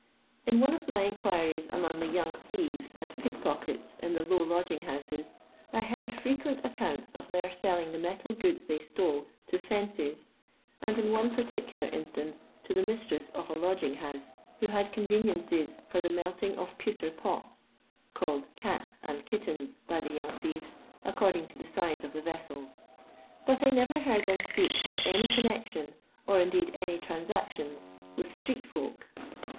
In one of my inquiries among the young thieves and pickpockets in the low lodg ing houses, I heard frequent accounts of their selling the metal goods they stole, to ''fences," and in one particular instance, to the mistietf of a lodging house, who had conveniences for the melting of pewter pots (called cats and kittens " by the young thieves, according to the sise of the vessels), but I never heard them speak of any i connection, or indeed any transactions, with street* ' folk.